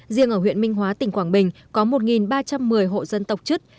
riêng ở huyện minh hóa tỉnh quảng bình có một ba trăm một mươi hộ dân tộc chất